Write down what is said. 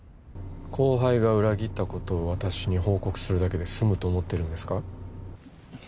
後輩が裏切ったことを私に報告するだけで済むと思ってるんですか？